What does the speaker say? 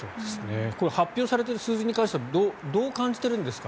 発表されている数字に関してはどう感じているんですか？